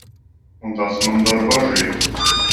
Un tas mani dara bažīgu.